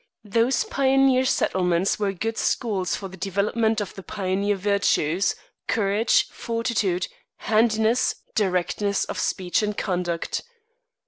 Those pioneer settlements were good schools for the development of the pioneer virtues, courage, fortitude, handiness, directness of speech and conduct.